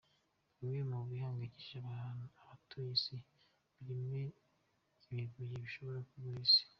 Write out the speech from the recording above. Bimwe mu bihangayikije abatuye isi harimo ibibuye bishobora kugwira isi.